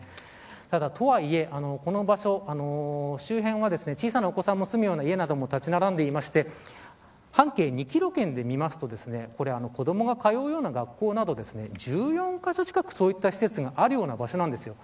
ただ、とはいえ、この場所周辺は、小さなお子さんも住むような家などもあしますんで半径２キロ圏で見ますと子どもが通うようような学校など１４カ所近くそういった施設があるような場所なんです。